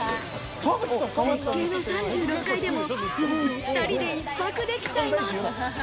絶景の３６階でも、もう２人で１泊できちゃいます。